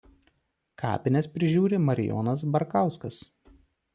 Kapines prižiūri Marijonas Barkauskas.